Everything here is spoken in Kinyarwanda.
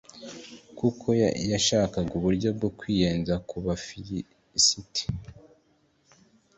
kuko yashakaga uburyo bwo kwiyenza ku bafilisiti